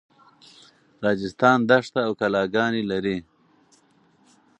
راجستان دښته او کلاګانې لري.